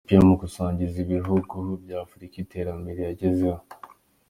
Ethiopia mu gusangiza ibihugu bya Afurika iterambere yagezeho.